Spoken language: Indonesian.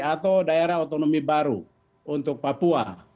atau daerah otonomi baru untuk papua